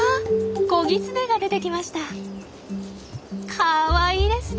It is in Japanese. かわいいですね！